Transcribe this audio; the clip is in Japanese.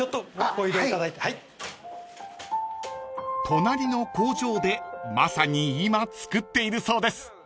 ［隣の工場でまさに今つくっているそうです］